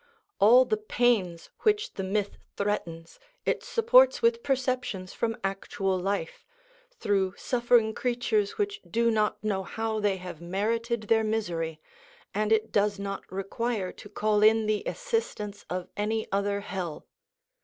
All the pains which the myth threatens it supports with perceptions from actual life, through suffering creatures which do not know how they have merited their misery, and it does not require to call in the assistance of any other hell.